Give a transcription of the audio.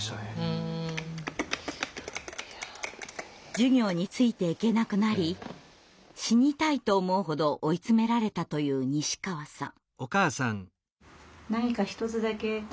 授業についていけなくなり死にたいと思うほど追い詰められたという西川さん。